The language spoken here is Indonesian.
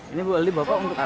ini boleh bapak untuk apa